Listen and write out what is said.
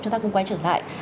chúng ta cũng quay trở lại